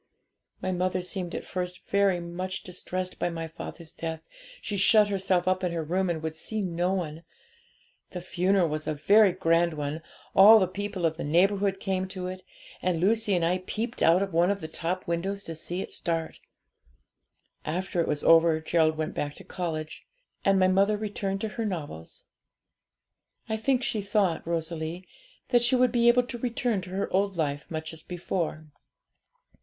'My mother seemed at first very much distressed by my father's death; she shut herself up in her room, and would see no one. The funeral was a very grand one; all the people of the neighbourhood came to it, and Lucy and I peeped out of one of the top windows to see it start. After it was over, Gerald went back to college, and my mother returned to her novels. I think she thought, Rosalie, that she would be able to return to her old life much as before.